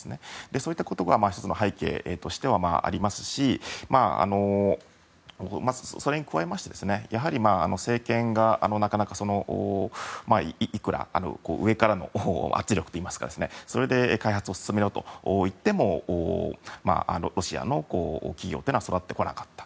そういったことが背景としてはありますしそれに加えまして、やはり政権がなかなかいくら上からの圧力というかそれで開発を進めろといってもロシアの企業というのは育ってこなかった。